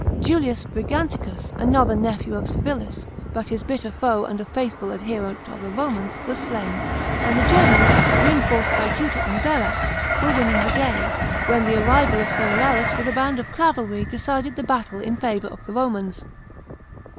Julius Briganticus, another nephew of Civilis, but his bitter foe and a faithful adherent of the Romans, was slain ; and the Germans, reinforced by Tutor and Verax, were winning the day, when the arrival of Cerealis with a band of cavalry decided the battle in favour of the Romans.